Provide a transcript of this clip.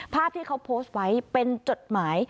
ภาพที่เขาโพสต์ไว้เป็นจดหมาย